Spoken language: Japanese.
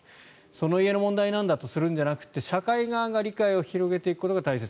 その家の問題なんだとするんじゃなくて社会側が理解を広げていくことが大切。